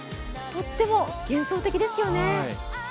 とっても幻想的ですよね。